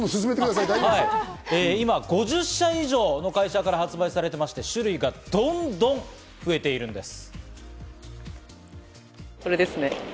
今５０社以上の会社から発売されていまして、種類がどんどん増えているんです。